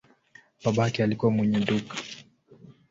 Babake alikuwa mwenye duka.